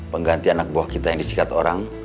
pengganti anak buah kita yang disikat orang